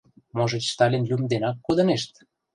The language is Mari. Можыч, Сталин лӱм денак кодынешт?